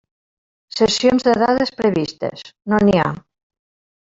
Cessions de dades previstes: no n'hi ha.